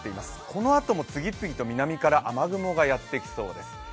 このあとも次々と南から雨雲がやってきそうです。